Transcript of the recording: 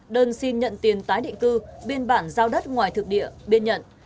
đơn xin nhận tiền tái định cư biên bản giao đất ngoài thực địa biên nhận